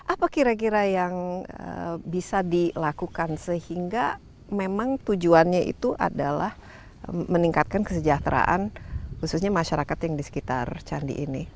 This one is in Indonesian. apa kira kira yang bisa dilakukan sehingga memang tujuannya itu adalah meningkatkan kesejahteraan khususnya masyarakat yang di sekitar candi ini